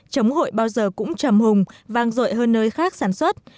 trống hội bao giờ cũng trầm hùng vang dội hơn nơi khác sản xuất